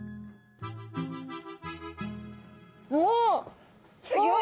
おおすギョい！